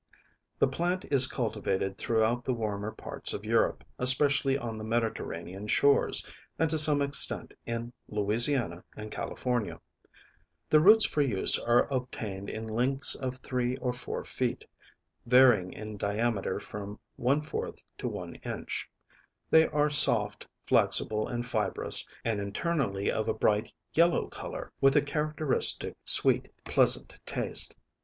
The plant is cultivated throughout the warmer parts of Europe, especially on the Mediterranean shores, and to some extent in Louisiana and California. The roots for use are obtained in lengths of 3 or 4 ft., varying in diameter from 1/4 to 1 in.; they are soft, flexible and fibrous, and internally of a bright yellow colour, with a characteristic, sweet pleasant taste.